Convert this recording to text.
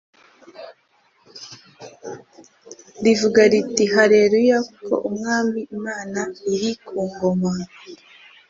rivuga riti : Haleluya, kuko Umwami Imana iri ku ngoma!